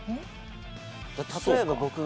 例えば僕が。